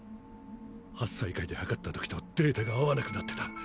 八斎會で測った時とデータが合わなくなってた。